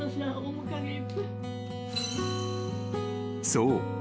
［そう。